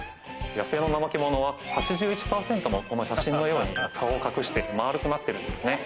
野生のナマケモノは８１％もこの写真のように顔を隠して丸くなってるんですね。